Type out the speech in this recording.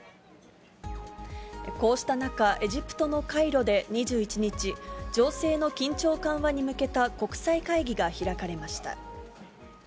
こうした中、エジプトのカイロで２１日、情勢の緊張緩和に向けた国際会議が開かれました。